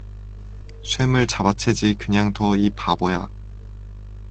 "쇰을 잡아채지 그냥 둬, 이 바보야!"